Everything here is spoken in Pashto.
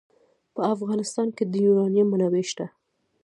په افغانستان کې د یورانیم منابع شته.